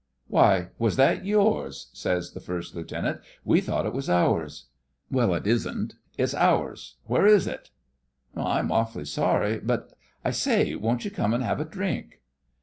'Why, was that yours?' says the First Lieutenant. 'We thought it was ours.' 'Well, it isn't. It's ours. Where is it?' 'I'm awfully sorry, but—I say, won't you come and have a drink?